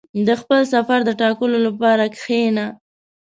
• د خپل سفر د ټاکلو لپاره کښېنه.